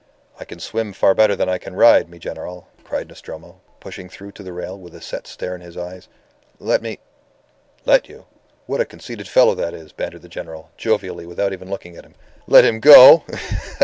"I can swim far better than I can ride, mi General," cried Nostromo, pushing through to the rail with a set stare in his eyes. "Let me " "Let you? What a conceited fellow that is," bantered the General, jovially, without even looking at him. "Let him go! Ha! ha!